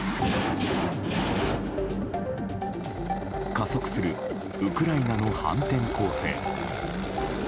加速するウクライナの反転攻勢。